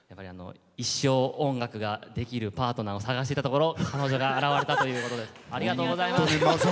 一生音楽ができるパートナーを探してたところ彼女が現れたということです。